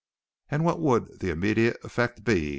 "And what would the immediate effect be?"